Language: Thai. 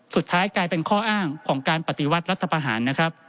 สุดท้ายกลายเป็นข้ออ้างของการปฏิวัติรัฐประหารนะครับ